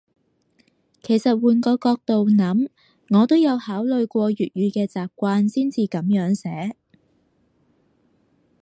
其實換個角度諗，我都有考慮過粵語嘅習慣先至噉樣寫